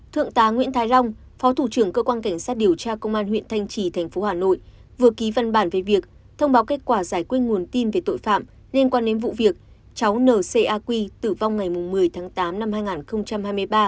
thượng tá nguyễn thái long phó thủ trưởng cơ quan cảnh sát điều tra công an huyện thanh trì thành phố hà nội vừa ký văn bản về việc thông báo kết quả giải quyết nguồn tin về tội phạm liên quan đến vụ việc cháu ncaq tử vong ngày một mươi tháng tám năm hai nghìn hai mươi ba